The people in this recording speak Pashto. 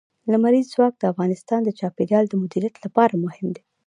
لمریز ځواک د افغانستان د چاپیریال د مدیریت لپاره مهم دي.